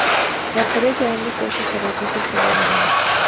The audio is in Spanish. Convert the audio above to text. La pared de ambos socios se reduce severamente.